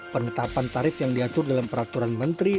penetapan tarif yang diatur dalam peraturan menteri